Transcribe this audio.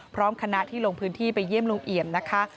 พร้อมคณะที่ลงพื้นที่ไปเยี่ยมลุงเอี่ยมนะคะ